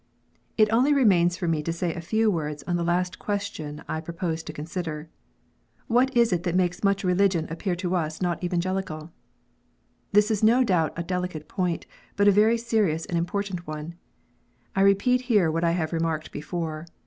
It only remains for me to say a few words on the last question I propose to consider :" What is it that makes much religion appear to us not Evangelical ?" This is no doubt a delicate point, but a very serious and important one. I repeat here what I have remarked before.